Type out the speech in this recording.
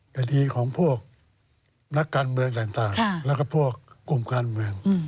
คดีของพวกนักการเมืองต่างแล้วก็พวกกลุ่มการเมือง